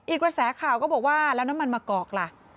กระแสข่าวก็บอกว่าแล้วน้ำมันมะกอกล่ะ